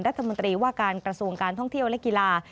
รัฐมนตรีว่าการกระทรวงการท่องเที่ยวและกีฬา